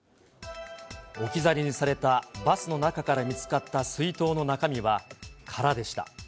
置き去りにされたバスの中から見つかった水筒の中身は空でした。